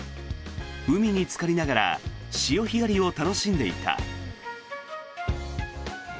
海につかりながら潮干狩りを楽しんでいた。